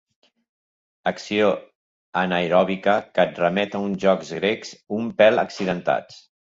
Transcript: Acció anaeròbica que et remet a uns jocs grecs un pèl accidentats.